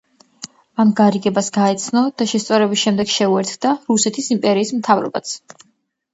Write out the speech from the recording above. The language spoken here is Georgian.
ამ გარიგებას გაეცნო და შესწორების შემდეგ შეუერთდა რუსეთის იმპერიის მთავრობაც.